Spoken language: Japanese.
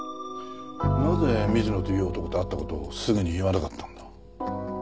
なぜ水野という男と会った事をすぐに言わなかったんだ？